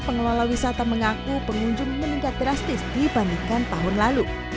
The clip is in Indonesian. pengelola wisata mengaku pengunjung meningkat drastis dibandingkan tahun lalu